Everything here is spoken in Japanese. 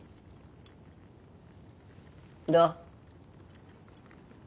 どう？